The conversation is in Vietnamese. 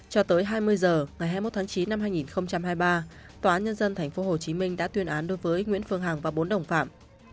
cho tới hai mươi h ngày hai mươi một tháng chín năm hai nghìn hai mươi ba tòa án nhân dân tp hcm đã tuyên án đối với nguyễn phương hằng và bốn đồng phạm